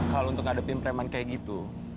kalau untuk ngadepin preman kayak gitu